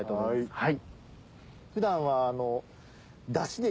はい。